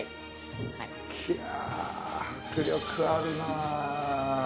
いやあ迫力あるなあ。